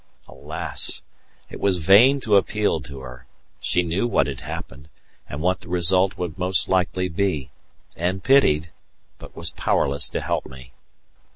Alas! It was vain to appeal to her: she knew what had happened, and what the result would most likely be, and pitied, but was powerless to help me.